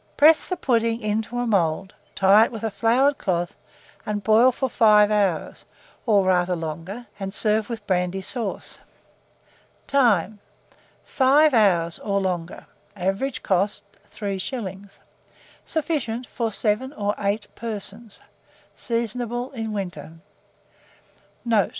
Press the pudding into a mould, tie it in a floured cloth, and boil for 5 hours, or rather longer, and serve with brandy sauce. Time. 5 hours, or longer. Average cost, 3s. Sufficient for 7 or 8 persons. Seasonable in winter. Note.